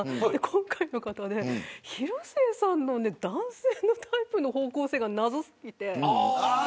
今回の方で広末さんの男性のタイプの方向性が謎すぎて。